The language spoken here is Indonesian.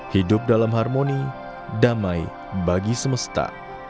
hidup dalam harmoni damai bagi semesta